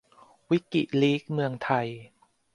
วิกิลีกส์เมืองไทย